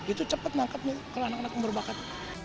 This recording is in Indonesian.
itu cepat mangkapnya kalau anak anak yang berbakat